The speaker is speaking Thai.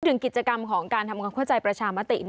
ถึงกิจกรรมของการทำความเข้าใจประชามติ